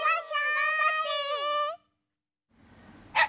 がんばって！